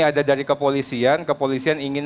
ada dari kepolisian kepolisian ingin